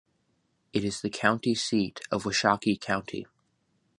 It is the county seat of Washakie County.